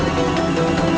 aku akan terus memburumu